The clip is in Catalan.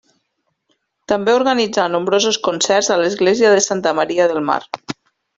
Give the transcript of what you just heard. També organitzà nombrosos concerts a l'església de Santa Maria del Mar.